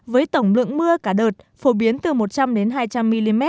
với tổng lượng mưa cả đợt phổ biến từ một trăm linh hai trăm linh mm